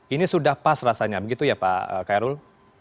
ini sudah pas rasanya begitu ya pak kairul